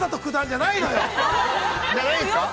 ◆じゃないんですか。